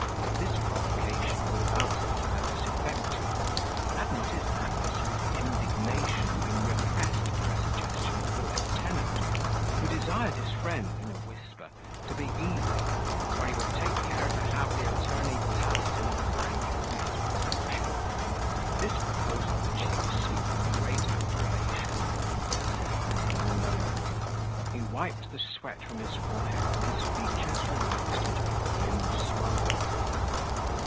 This provocation would have answered his purpose effectually, had not his adversary's indignation been repressed by the suggestions of the lieutenant, who desired his friend, in a whisper, to be easy, for he would take care to have the attorney tossed in a blanket for his presumption. This proposal, which he received with great approbation, pacified him in a moment: he wiped the sweat from his forehead, and his features relaxed into a grim smile.